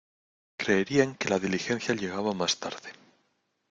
Creerían que la diligencia llegaba más tarde.